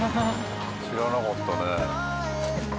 知らなかったね。